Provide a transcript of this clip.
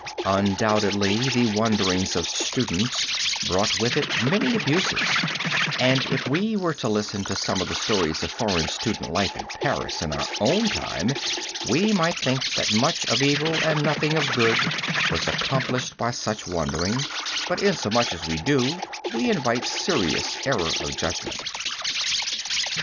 Undoubtedly the wanderings of students brought with it many abuses, and if we were to listen to some of the stories of foreign student life in Paris in our own time, we might think that much of evil and nothing of good was accomplished by such wandering, but inasmuch as we do so we invite serious error of judgment.